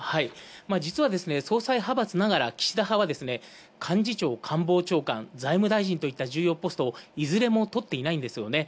実は、総裁派閥ながら岸田派は幹事長、官房長官、財務大臣といった重要ポストをいずれも取ってないんですよね。